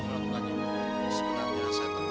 sebenarnya saya terpaksa melakukannya